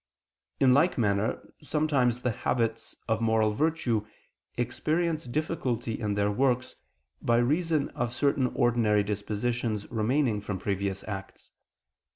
In like manner sometimes the habits of moral virtue experience difficulty in their works, by reason of certain ordinary dispositions remaining from previous acts.